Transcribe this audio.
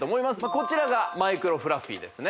こちらがマイクロフラッフィーですね